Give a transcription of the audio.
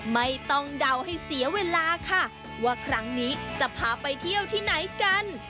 ไม่ต้องเดาให้เสียเวลาค่ะว่าครั้งนี้จะพาไปเที่ยวที่ไหนกัน